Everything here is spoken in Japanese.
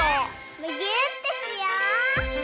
むぎゅーってしよう！